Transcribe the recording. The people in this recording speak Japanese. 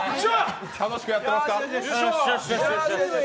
楽しくやってますか？